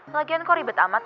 lagian kok ribet amat